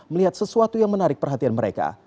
melihat sesuatu yang menarik perhatian mereka